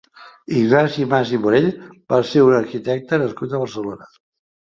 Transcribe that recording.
Ignasi Mas i Morell va ser un arquitecte nascut a Barcelona.